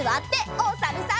おさるさん。